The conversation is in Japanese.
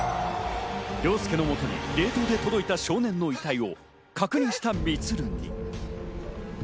凌介のもとに冷凍で届いた遺体の少年を確認した充。